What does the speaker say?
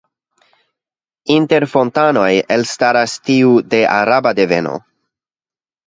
Inter fontanoj elstaras tiu de araba deveno.